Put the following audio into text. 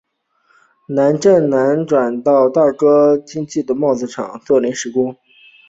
蔡振南辗转到大哥经营的帽子工厂做临时工。